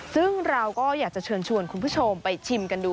ซึ่งเราก็อยากจะเชิญชวนคุณผู้ชมไปชิมกันดู